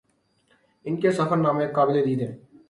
ان کے سفر نامے قابل دید ہیں